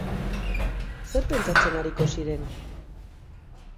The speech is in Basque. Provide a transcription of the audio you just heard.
Zer pentsatzen ariko ziren?